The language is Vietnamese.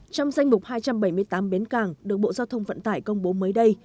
trong danh mục hai trăm bảy mươi tám bến càng được bộ giao thông vận tải công bố mới đây